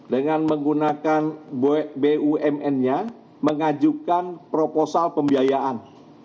dengan menggunakan bumn nya mengajukan proposal pembiayaan